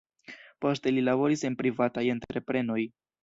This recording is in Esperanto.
Poste li laboris en privataj entreprenoj.